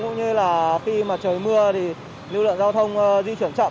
cũng như là khi mà trời mưa thì lưu lượng giao thông di chuyển chậm